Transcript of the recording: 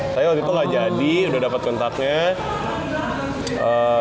tapi waktu itu gak jadi udah dapet kontaknya